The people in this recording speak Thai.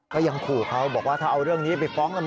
ก็ยังขู่เขาบอกว่าถ้าเอาเรื่องนี้ไปฟ้องลำ